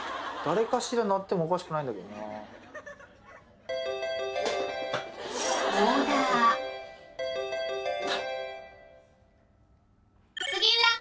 誰かしら鳴ってもおかしくないんだけどなぁ「オーダー」